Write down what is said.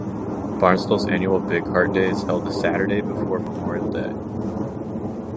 Barnsdall's annual Bigheart Day is held The Saturday before Memorial Day.